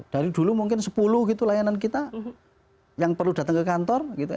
dari dulu mungkin sepuluh gitu layanan kita yang perlu datang ke kantor gitu